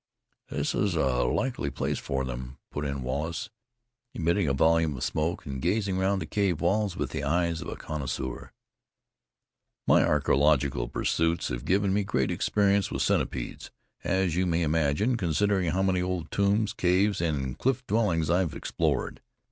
"This is a likely place for them," put in Wallace, emitting a volume of smoke and gazing round the cave walls with the eye of a connoisseur. "My archaeological pursuits have given me great experience with centipedes, as you may imagine, considering how many old tombs, caves and cliff dwellings I have explored.